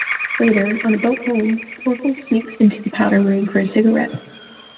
Later, on a boat home, Orville sneaks into the powder room for a cigarette.